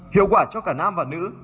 hiệu quả cho cả nam và nữ